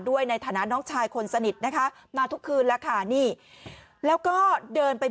ในฐานะน้องชายคนสนิทนะคะมาทุกคืนแล้วค่ะนี่แล้วก็เดินไป